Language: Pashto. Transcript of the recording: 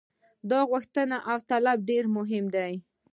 دا غوښتنه او طلب ډېر مهم دی.